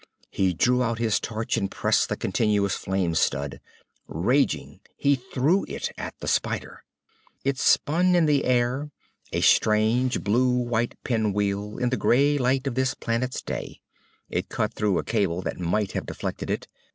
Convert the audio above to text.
He drew out his torch and pressed the continuous flame stud. Raging, he threw it at the spider. It spun in the air, a strange blue white pinwheel in the gray light of this planet's day. It cut through a cable that might have deflected it.